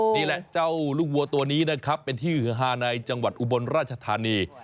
นี่แหละเจ้าลูกวัวตัวนี้นะครับเป็นที่ฮือฮาในจังหวัดอุบลราชธานี